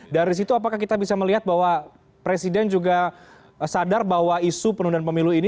dari situ apakah kita bisa melihat bahwa presiden juga sadar bahwa isu penundaan pemilu ini